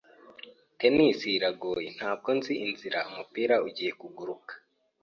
Tennis iragoye. Ntabwo nzi inzira umupira ugiye kuguruka.